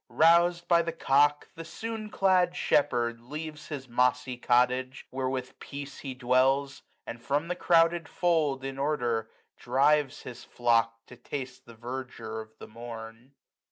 RousM by the cock, the soon clad shepherd leaves His mossy cottage, where with Peace he dwells j And from the crouded fold, in order, drives 6j His flock, to taste the verdure of the morn.